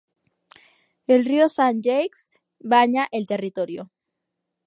El río Saint-Jacques baña el territorio.